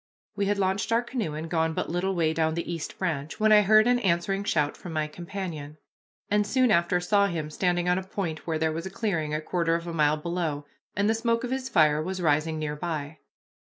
We had launched our canoe and gone but little way down the East Branch, when I heard an answering shout from my companion, and soon after saw him standing on a point where there was a clearing a quarter of a mile below, and the smoke of his fire was rising near by.